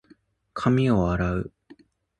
髪を洗う。